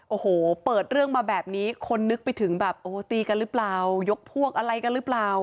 โอ้โหเปิดเรื่องมาแบบนี้คนนึกไปถึงแบบโอ้โหตีกันหรือเปล่ายกพวกอะไรกันหรือเปล่า